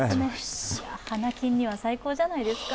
華金には最高じゃないですか？